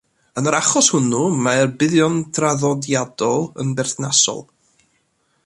Yn yr achos hwnnw, mae'r buddion traddodiadol yn berthnasol.